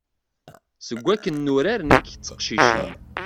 Seg wakken nurar nekk d teqcicin.